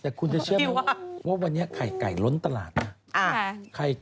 แต่คุณจะเชื่อไหมว่าวันนี้ไข่ไก่ล้นตลาดไหม